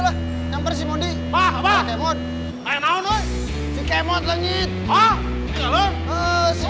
sampai si mondi